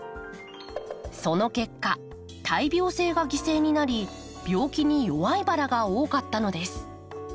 その結果耐病性が犠牲になり病気に弱いバラが多かったのです。